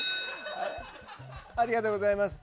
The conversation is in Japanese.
ありがとうございます。